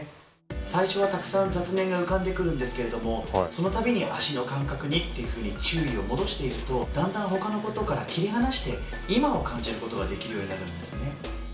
最初はたくさん雑念が浮かんでくるんですけれどもその度に足の感覚にっていうふうに注意を戻していくとだんだんほかのことから切り離して今を感じることができるようになるんですね。